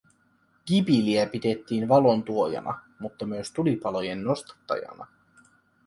Gibiliä pidettiin valon tuojana, mutta myös tulipalojen nostattajana